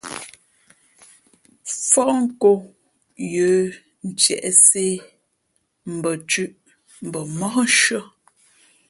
Fóh nkō yə̌ ntiēʼsē, mbα thʉ̄ʼ mbα móhshʉ̄ᾱ.